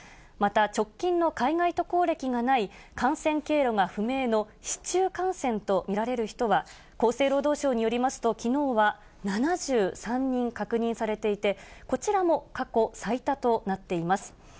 また直近の海外渡航歴がない感染経路が不明の、市中感染と見られる人は、厚生労働省によりますと、きのうは７３人確認されていて、こちらも過去最多となっています。